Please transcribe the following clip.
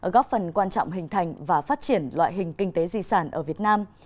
góp phần quan trọng hình thành và phát triển loại hình kinh tế di sản ở việt nam